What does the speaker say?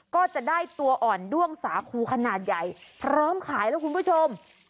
ก็จะได้ตัวอ่อนด้วงสาคูขนาดใหญ่พร้อมขายแล้วคุณผู้ชม